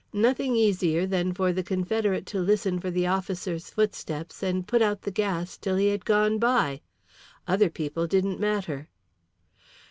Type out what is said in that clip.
Nothing easier than for the confederate to listen for the officer's footsteps and put out the gas till he had gone by. Other people didn't matter."